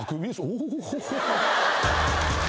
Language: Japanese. お。